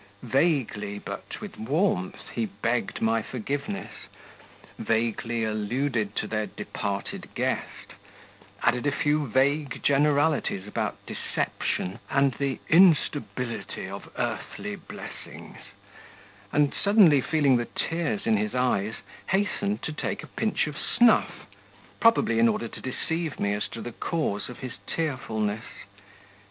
Vaguely, but with warmth, he begged my forgiveness, vaguely alluded to their departed guest, added a few vague generalities about deception and the instability of earthly blessings, and, suddenly feeling the tears in his eyes, hastened to take a pinch of snuff, probably in order to deceive me as to the cause of his tearfulness....